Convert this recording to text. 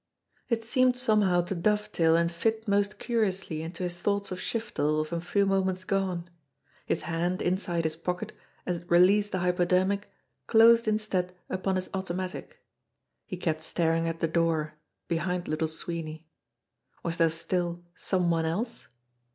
It seemed somehow to dovetail and fit most curiously into his thoughts of Shiftel of a few moments gone. His hand, inside his pocket, as it released the hypodermic closed instead upon his automatic. He kept staring at the door behind Little Sweeney. Was there still some one else?